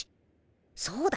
そうだ。